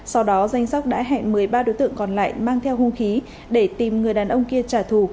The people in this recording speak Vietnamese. sau đó danh sóc đã hẹn một mươi ba đối tượng còn lại mang theo hung khí để tìm người đàn ông kia trả thù